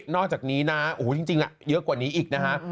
นอกจากนี้นะจริงเยอะกว่านี้อีกนะฮะ